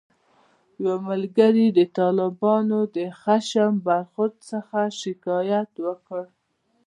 یو ملګري د طالبانو له خشن برخورد څخه شکایت وکړ.